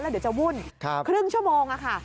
เดี๋ยวจะวุ่นครึ่งชั่วโมงค่ะ